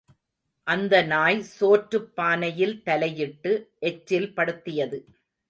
அந்த நாய் சோற்றுப் பானையில் தலையிட்டு எச்சில் படுத்தியது.